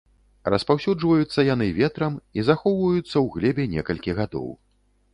Распаўсюджваюцца яны ветрам і захоўваюцца ў глебе некалькі гадоў.